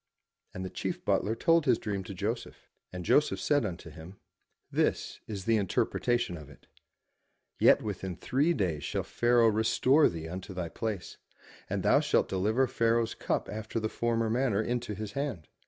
'* And the chief butler told his dream to Joseph. And Joseph said unto him, "This is the interpretation of it: Yet within three days shall Pharaoh restore thee unto thy place: and thou shalt deliver Pharaoh's cup after the former manner into his hand.